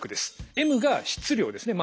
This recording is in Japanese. ｍが質量ですね。